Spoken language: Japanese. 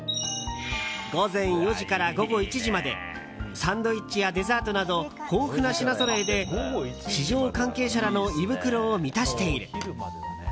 午前４時から午後１時までサンドイッチやデザートなど豊富な品ぞろえで市場関係者らの胃袋を満たしている。